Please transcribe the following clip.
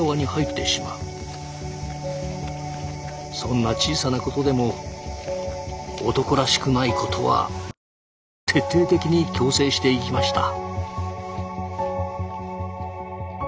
そんな小さなことでも「男らしくない」ことは徹底的に矯正していきました。